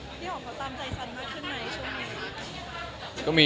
พี่หอมเขาตามใจฉันมากขึ้นไหมช่วงนี้